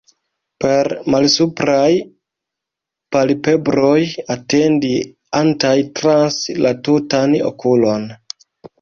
Per malsupraj palpebroj etendi¸antaj trans la tutan okulon.